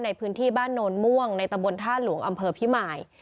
ในพื้นที่บ้านโนนม่วงในตำบลท่าหลวงอำเภอพิมาย